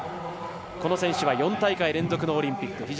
この選手は４大会連続のオリンピック。